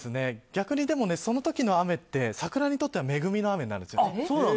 逆に、その時の雨って桜にとっては恵みの雨になるんですよ。